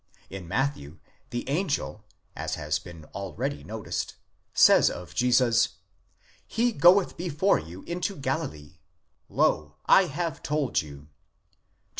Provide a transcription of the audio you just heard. In Matthew the angel, as has been already noticed, says of Jesus: he goeth before you into Galilee,—lo, 7 have told you (xxviii.